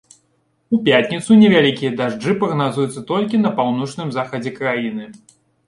У пятніцу невялікія дажджы прагназуюцца толькі на паўночным захадзе краіны.